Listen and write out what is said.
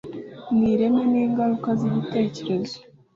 ni ireme n'ingaruka z'igitekerezo,